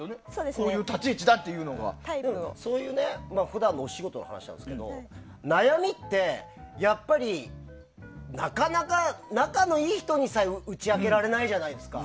そういう立ち位置だというのが。そういう普段のお仕事の話なんですけど悩みってやっぱりなかなか仲のいい人にさえ打ち明けられないじゃないですか。